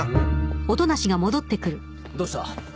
どうした？